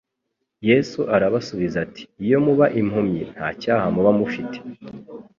Yesu arabasubiza ati: "Iyo muba impumyi nta cyaha muba mufite."